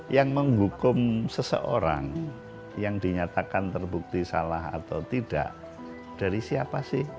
yang menghukum seseorang yang dinyatakan terbukti salah atau tidak dari siapa sih